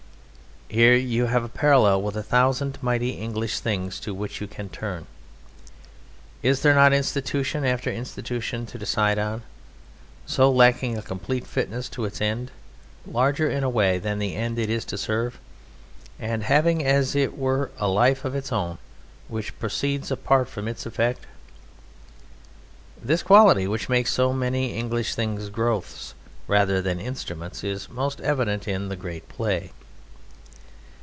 Here you have a parallel with a thousand mighty English things to which you can turn. Is there not institution after institution to decide on, so lacking a complete fitness to its end, larger in a way than the end it is to serve, and having, as it were, a life of its own which proceeds apart from its effect? This quality which makes so many English things growths rather than instruments is most evident in the great play.